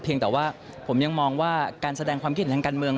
แต่ว่าผมยังมองว่าการแสดงความคิดเห็นทางการเมือง